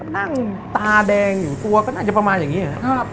นั่งตาแดงอยู่ตัวก็น่าจะประมาณอย่างนี้